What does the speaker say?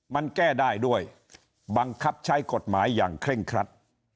มันแก้ได้ด้วยบังคับใช้กฎหมายอย่างเคร่งครัด